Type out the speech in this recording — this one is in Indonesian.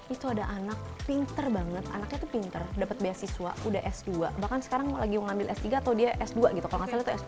itu ada anak pinter banget anaknya tuh pinter dapat beasiswa udah s dua bahkan sekarang lagi mau ngambil s tiga atau dia s dua gitu kalau nggak salah itu s tiga